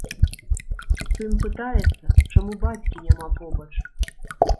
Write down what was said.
Сын пытаецца, чаму бацькі няма побач.